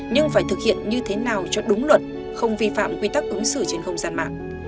nhưng phải thực hiện như thế nào cho đúng luật không vi phạm quy tắc ứng xử trên không gian mạng